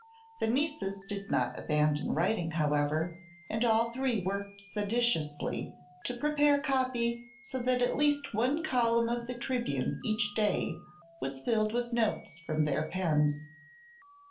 The nieces did not abandon writing, however, and all three worked sedulously to prepare copy so that at least one column of the Tribune each day was filled with notes from their pens.